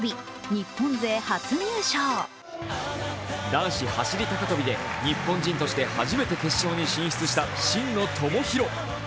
男子走高跳で日本人として初めて決勝に進出した真野友博。